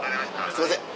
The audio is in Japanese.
すいません。